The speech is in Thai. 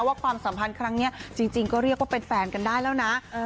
ความสัมพันธ์ครั้งนี้จริงก็เรียกว่าเป็นแฟนกันได้แล้วนะ